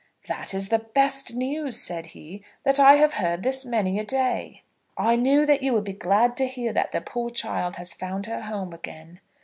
"That is the best news," said he, "that I have heard this many a day." "I knew that you would be glad to hear that the poor child has found her home again."